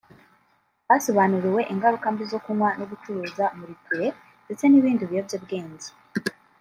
Basobanuriwe ingaruka mbi zo kunywa no gucuruza Muriture ndetse n’ibindi biyobyabwenge